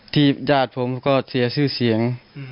ญาติผมก็เสียชื่อเสียง